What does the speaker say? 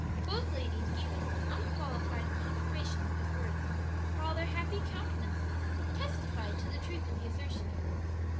Both ladies gave an unqualified confirmation of his words, while their happy countenances testified to the truth of the assertion.